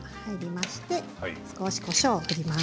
そして、こしょうを振ります。